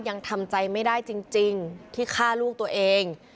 ยังทำใจไม่ได้จริงที่ฆ่าลูกตัวเอง